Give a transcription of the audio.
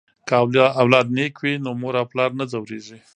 که اولاد نیک وي نو مور او پلار نه ځورېږي.